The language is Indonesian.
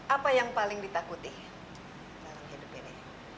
apa yang paling ditakuti dalam hidup ini